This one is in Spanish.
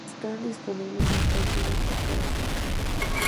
Están disponibles tres canciones por cada set.